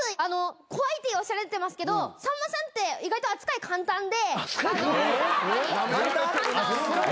怖いっておっしゃられてますけどさんまさんって意外と扱い簡単で。